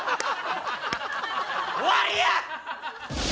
終わりや！